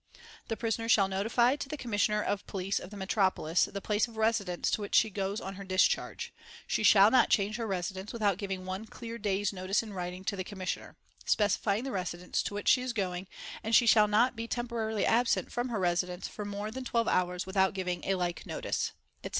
The prisoner shall notify to the Commissioner of Police of the Metropolis the place of residence to which she goes on her discharge. She shall not change her residence without giving one clear day's notice in writing to the Commissioner, specifying the residence to which she is going and she shall not be temporarily absent from her residence for more than twelve hours without giving a like notice," etc.